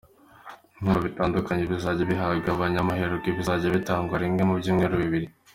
Ibihembo bitandukanye bizajya bihambwa abanyamahirwe, bizajya bitangwa rimwe mu byumweru bibiri.